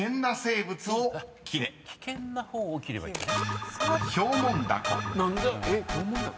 危険な方を切ればいいんだね。